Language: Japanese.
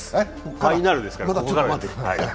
ファイナルですから、まだここからです。